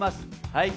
はい！